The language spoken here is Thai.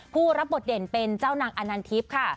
ผู้รับบทเด่นเป็นเจ้านางอนันทิพย์ค่ะ